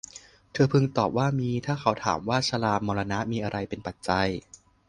เธอพึงตอบว่า มี ถ้าเขาถามว่า ชรามรณะมีอะไรเป็นปัจจัย